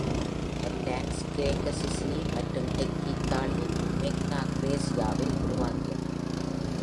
Atlantis, கிரேக்க Sicily மற்றும் தெற்கு இத்தாலியின் மேக்னா கிரேசியாவில் உருவாகியது.